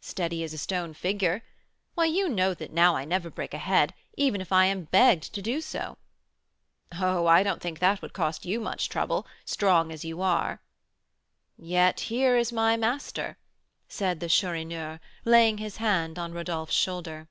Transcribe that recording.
"Steady as a stone figure. Why, you know that now I never break a head, even if I am begged to do so!" "Oh, I don't think that would cost you much trouble, strong as you are." "Yet here is my master," said the Chourineur, laying his hand on Rodolph's shoulder.